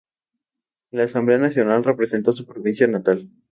En la Asamblea Nacional representó a su provincia natal.